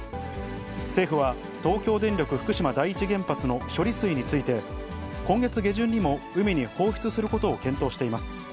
政府は、東京電力福島第一原発の処理水について、今月下旬にも海に放出することを検討しています。